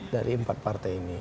dari empat partai ini